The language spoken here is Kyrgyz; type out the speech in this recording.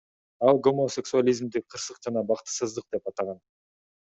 Ал гомосексуализмди кырсык жана бактысыздык деп атаган.